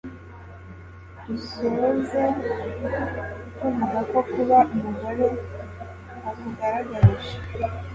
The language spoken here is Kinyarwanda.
dusoze tuvuga ko kuba umugore akugaragarije